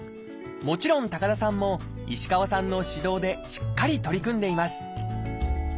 もちろん高田さんも石川さんの指導でしっかり取り組んでいます